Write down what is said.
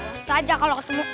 bisa aja kalau ketemu